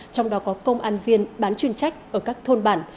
trong đó có công an viên bán chuyên trách ở các thôn bản